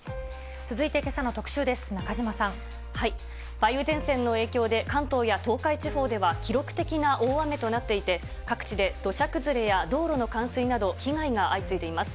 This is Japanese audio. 梅雨前線の影響で、関東や東海地方では記録的な大雨となっていて、各地で土砂崩れや道路の冠水など被害が相次いでいます。